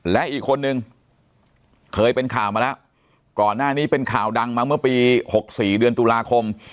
และอีกคนนึงเคยเป็นข่าวมาแล้วก่อนหน้านี้เป็นข่าวดังมาเมื่อปี๖๔เดือนตุลาคม